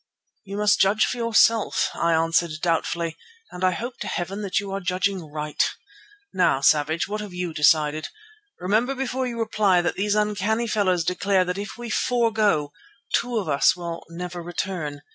"You must judge for yourself," I answered doubtfully, "and I hope to Heaven that you are judging right. Now, Savage, what have you decided? Remember before you reply that these uncanny fellows declare that if we four go, two of us will never return.